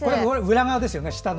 裏側ですよね、舌の。